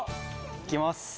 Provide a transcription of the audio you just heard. いきます。